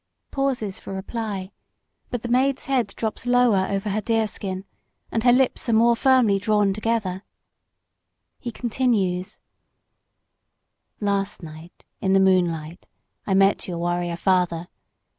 He pauses for reply, but the maid's head drops lower over her deerskin, and her lips are more firmly drawn together. He continues: "Last night in the moonlight I met your warrior father.